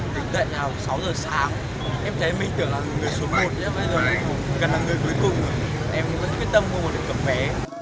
tình dạy nào sáu h sáng em thấy mình tưởng là người số một bây giờ cũng cần là người cuối cùng em vẫn quyết tâm mua một tấm vé